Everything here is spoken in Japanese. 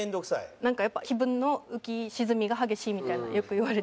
なんかやっぱ気分の浮き沈みが激しいみたいなよく言われて。